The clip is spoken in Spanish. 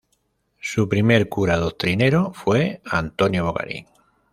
Su primer cura doctrinero fue Antonio Bogarín.